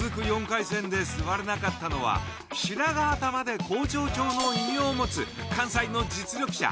４回戦で座れなかったのは白髪頭で工場長の異名を持つ関西の実力者